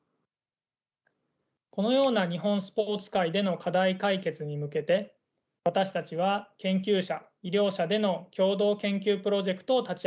このような日本スポーツ界での課題解決に向けて私たちは研究者医療者での共同研究プロジェクトを立ち上げました。